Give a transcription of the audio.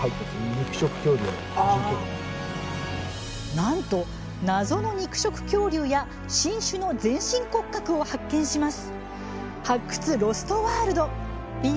なんと、謎の肉食恐竜や新種の全身骨格を発見します。